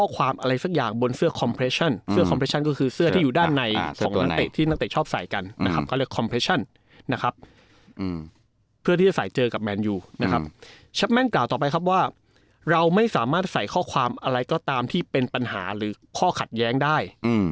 เขาไม่สามารถใส่ข้อความอะไรก็ตามที่เป็นปัญหาหรือข้อขัดแย้งได้